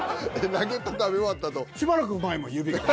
ナゲット食べ終わったあと。